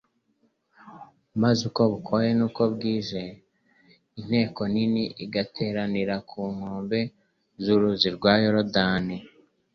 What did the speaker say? maze uko bukoye nuko bwije inteko nini igateranira ku nkombe z'uruzi rwa Yorodani'.